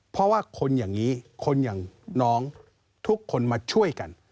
เพราะว่าคนอย่างนี้คนอย่างน้องทุกคนมาช่วยกัน